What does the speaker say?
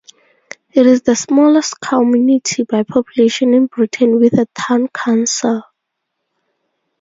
It is the smallest community by population in Britain with a town council.